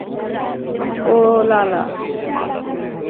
ও la লা!